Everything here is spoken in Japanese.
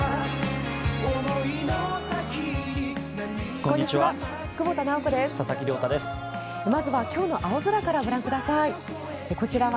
こんにちは。